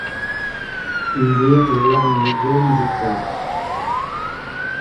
Ǹ dǐŋ elâŋ̀i jǒm njíta.